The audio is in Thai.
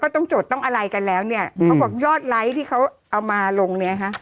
ต้องจดต้องอะไรกันแล้วเนี่ยเขาบอกยอดไลค์ที่เขาเอามาลงเนี่ยฮะ